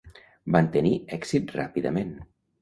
Van tenir èxit ràpidament.